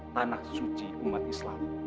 tanah suci umat islam